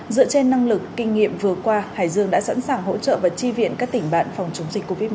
dựa trên năng lực kinh nghiệm vừa qua hải dương đã sẵn sàng hỗ trợ và tri viện các tỉnh bạn phòng chống dịch covid một mươi